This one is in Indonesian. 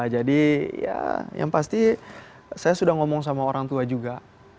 jadi ya yang pasti saya sudah ngomong sama orang tua juga